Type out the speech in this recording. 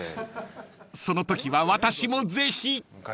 ［そのときは私もぜひ！］